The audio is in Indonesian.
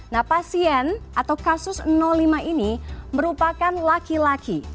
nah pasien atau kasus lima ini merupakan laki laki